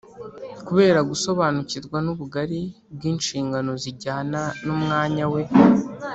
kubera gusobanukirwa n’ubugari bw’inshingano zijyana n’umwanya we